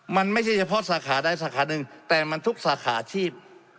มันไม่ใช่เฉพาะสาขาใดสาขาหนึ่งแต่มันทุกสาขาอาชีพ